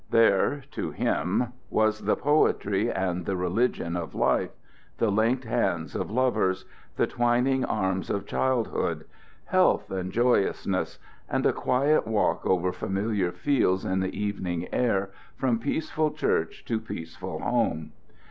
There to him was the poetry and the religion of life the linked hands of lovers; the twining arms of childhood; health and joyousness; and a quiet walk over familiar fields in the evening air from peaceful church to peaceful home.